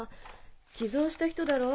寄贈した人だろ